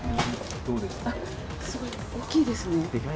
すごい大きいですね。